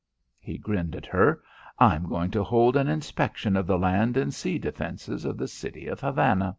He grinned at her. "I'm goin' to hold an inspection of the land and sea defences of the city of Havana."